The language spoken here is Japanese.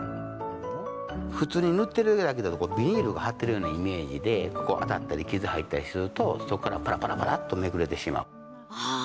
普通に塗っているだけだとビニールが張っているようなイメージで、ここ当たったり傷入ったりすると、そこからぱらぱらぱらっとめくれてしまう。